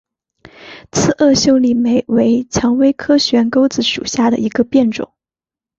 刺萼秀丽莓为蔷薇科悬钩子属下的一个变种。